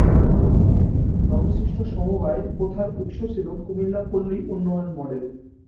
নবসৃষ্ট সমবায় প্রথার উৎস ছিল কুমিল্লা পল্লী উন্নয়ন মডেল।